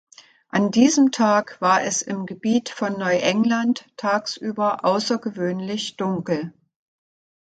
An diesem Tag war es im Gebiet von Neuengland tagsüber außergewöhnlich dunkel.